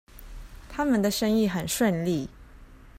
他們的生意很順利